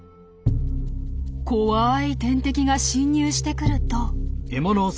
怖い天敵が侵入してくると。